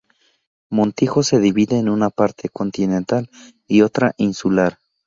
Montijo se divide en una parte continental y otra insular.